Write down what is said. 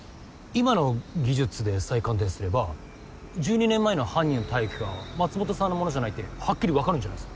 今の技術で再鑑定すれば１２年前の犯人の体液が松本さんのものじゃないってはっきりわかるんじゃないですか？